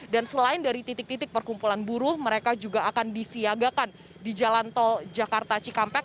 dan selain dari titik titik perkumpulan buruh mereka juga akan disiagakan di jalan tol jakarta cikampek